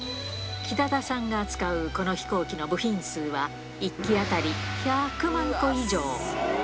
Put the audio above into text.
北田さんが扱うこの飛行機の部品数は、１機当たり１００万個以上。